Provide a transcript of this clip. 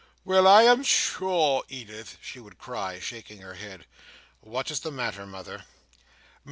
"Well, I am sure, Edith!" she would cry, shaking her head. "What is the matter, mother?"